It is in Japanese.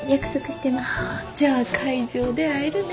じゃあ会場で会えるね。